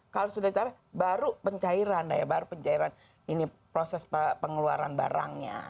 kalau sudah dicapai baru pencairan daya baru pencairan ini proses pengeluaran barangnya